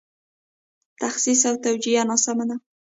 تخصیص او توجیه ناسمه ده.